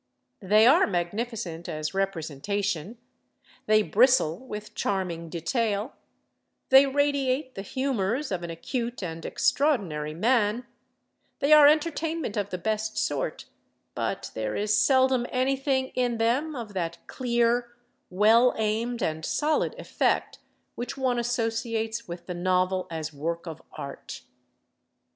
They are magnificent as representation, they bristle with charming detail, they radiate the humors of an acute and extraordinary man, they are entertainment of the best sort—but there is seldom anything in them of that clear, well aimed and solid effect which one associates with the novel as work of art.